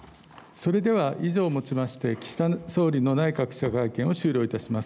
それでは以上をもちまして岸田総理の対外記者会見を終了します。